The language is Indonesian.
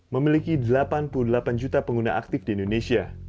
memiliki delapan puluh delapan juta pengguna aktif di indonesia